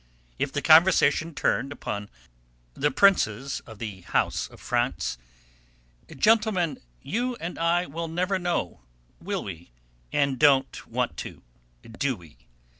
If the conversation turned upon the Princes of the House of France, "Gentlemen, you and I will never know, will we, and don't want to, do we?"